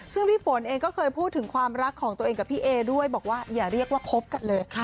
ซึ่งพี่ฝนเองก็เคยพูดถึงความรักของตัวเองกับพี่เอด้วยบอกว่าอย่าเรียกว่าคบกันเลย